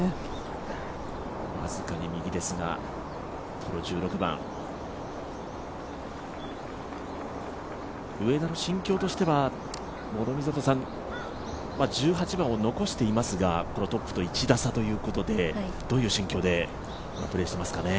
僅かに右ですが、この１６番、上田の心境としては諸見里さん、１８番を残していますがトップと１打差ということでどういう心境でプレーしていますかね？